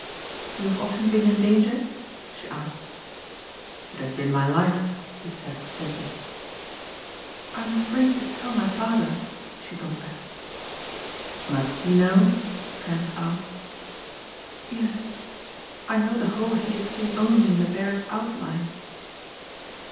"You have often been in danger?" she asked. "It has been my life," he said simply. "I am afraid to tell my father," she confessed. "Must he know?" Trent asked. "Yes. I know the whole hideous thing only in the barest outline."